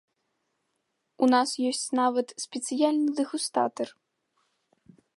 У нас ёсць нават спецыяльны дэгустатар.